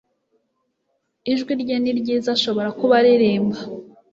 Ijwi rye niryiza ashobora kuba aririmba